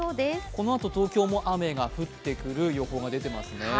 このあと、東京も雨が降ってくる予報が出ていますね。